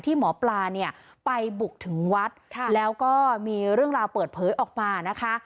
หมอปลาเนี่ยไปบุกถึงวัดแล้วก็มีเรื่องราวเปิดเผยออกมานะคะ